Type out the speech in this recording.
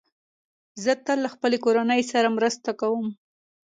زه تل له خپلې کورنۍ سره مرسته کوم.